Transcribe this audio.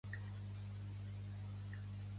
Qui en terra d'altres sembra, perd la sement.